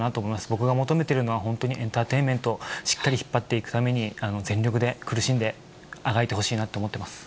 僕が求めているのは、本当にエンターテインメント、しっかり引っ張っていくために、全力で苦しんであがいてほしいな